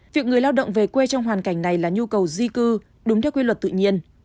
việc người lao động về quê trong hoàn cảnh này là nhu cầu di cư đúng theo quy luật tự nhiên